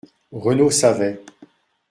—«Renaud savait.